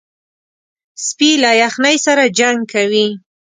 سپي له یخنۍ سره جنګ کوي.